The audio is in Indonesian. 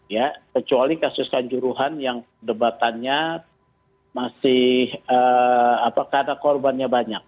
ya kecuali kasus kanjuruhan yang debatannya masih apa karena korbannya banyak